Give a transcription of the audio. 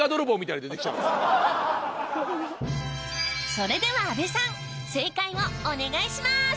それではあべさん正解をお願いします。